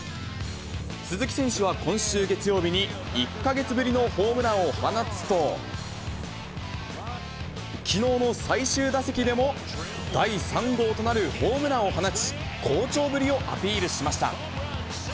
鈴木選手は、今週月曜日に、１か月ぶりのホームランを放つと、きのうの最終打席でも、第３号となるホームランを放ち、好調ぶりをアピールしました。